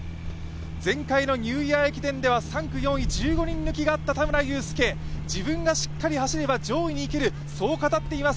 前回のニューイヤー駅伝では３区５位、１０人抜きがあった田村友佑、自分がしっかり走れば上位に行ける、そう語っています。